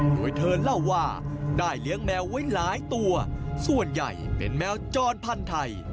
โดยเธอเล่าว่าได้เลี้ยงแมวไว้หลายตัวส่วนใหญ่เป็นแมวจรพันธ์ไทย